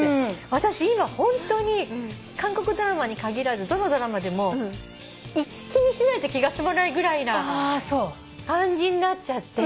私今ホントに韓国ドラマに限らずどのドラマでも一気見しないと気が済まないぐらいな感じになっちゃって。